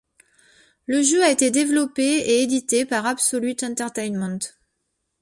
Le jeu a été développé et édité par Absolute Entertainment.